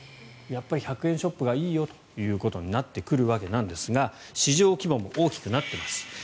やっぱり１００円ショップがいいよということになってくるわけなんですが市場規模も大きくなっています。